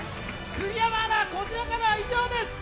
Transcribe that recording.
杉山アナ、こちらからは以上です！